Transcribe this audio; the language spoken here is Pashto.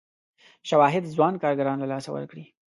شواهد ځوان کارګران له لاسه ورکړي.